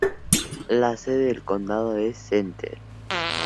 La sede del condado es Center.